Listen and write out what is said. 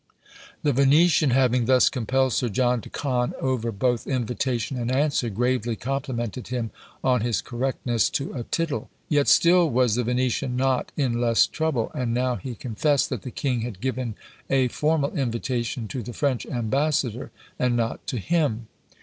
The Venetian having thus compelled Sir John to con over both invitation and answer, gravely complimented him on his correctness to a tittle! Yet still was the Venetian not in less trouble: and now he confessed that the king had given a formal invitation to the French ambassador, and not to him!